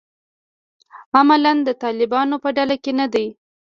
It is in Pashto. عملاً د طالبانو په ډله کې نه دي.